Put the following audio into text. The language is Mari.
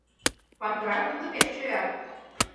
— Панкрат тудо пеш чоя.